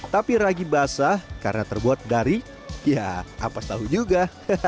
tapi ragi basah karena terbuat dari ya ampas tahu juga